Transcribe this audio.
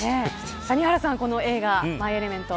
谷原さん、この映画マイ・エレメント